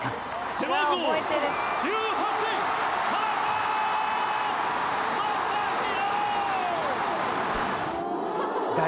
背番号１８田中将大！